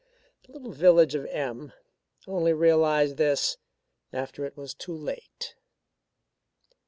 The little village of M only realized this after it was too late.